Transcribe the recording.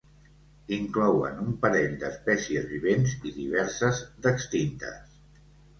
Inclouen un parell d'espècies vivents i diverses d'extintes.